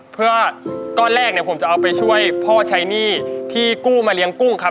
เพื่อก้อนแรกเนี่ยผมจะเอาไปช่วยพ่อใช้หนี้ที่กู้มาเลี้ยงกุ้งครับ